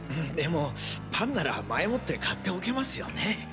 でもパンなら前もって買っておけますよね？